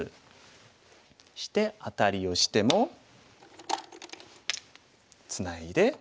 そしてアタリをしてもツナいで。